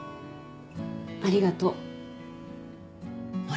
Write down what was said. ありがとう。ほら。